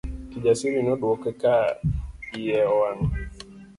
Kijasiri nodwoke ka iye owang'.